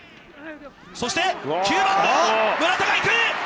そして、９番の村田が行く！